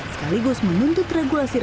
sekaligus menuntut regulasi